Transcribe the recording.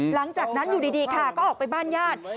หลังจากนั้นอยู่ดีค่ะก็ออกไปบ้านญาติ